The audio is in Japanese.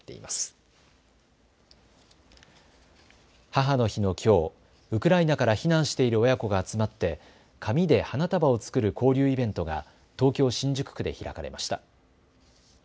母の日のきょう、ウクライナから避難している親子が集まって紙で花束を作る交流イベントが東京新宿区で開かれました。